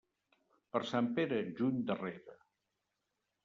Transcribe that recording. Per Sant Pere, juny darrere.